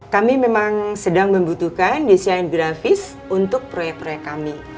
kami memang sedang membutuhkan desain grafis untuk proyek proyek kami